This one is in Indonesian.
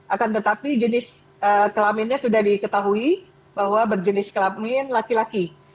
akan tetapi jenis kelaminnya sudah diketahui bahwa berjenis kelamin laki laki